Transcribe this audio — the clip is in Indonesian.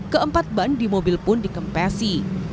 keempat ban di mobil pun dikempesi